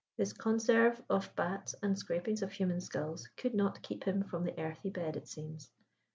His conserve of bats and scrapings of human skulls could not keep him from the earthy bed it seems.